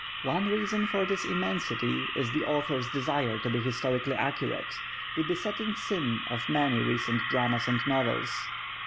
One reason for this immensity is the author's desire to be historically accurate, the besetting sin of many recent dramas and novels.